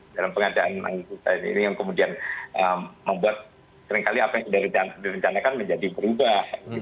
dalam pengadaan ini yang kemudian membuat seringkali apa yang sudah direncanakan menjadi berubah